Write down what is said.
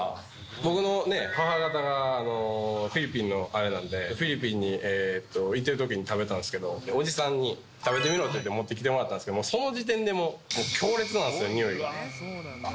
僕のね、母方がフィリピンのあれなんで、フィリピンに行ってるときに食べたんですけど、おじさんに食べてみろって言われて持ってきてもらったんですけど、もうその時点でもう、強烈なんですよ、においが。